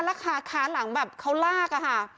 แล้วขาหลังแบบเขาลาก